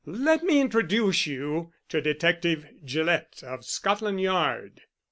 Let me introduce you to Detective Gillett, of Scotland Yard.